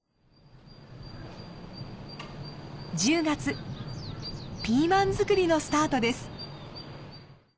１０月ピーマン作りのスタートです。